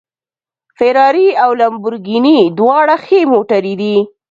فېراري او لمبورګیني دواړه ښې موټرې دي